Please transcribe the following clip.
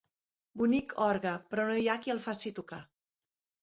Bonic orgue, però no hi ha qui el faci tocar.